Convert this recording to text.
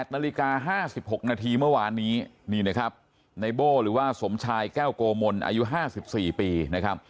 นาฬิกา๕๖นาทีเมื่อวานนี้นี่นะครับในโบ้หรือว่าสมชายแก้วโกมลอายุ๕๔ปีนะครับ